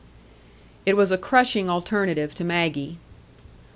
It was a crushing alternative to Maggie.